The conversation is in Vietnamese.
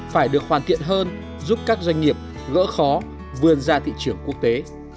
phải được hoàn thiện hơn giúp các doanh nghiệp gỡ khó vươn ra thị trường quốc tế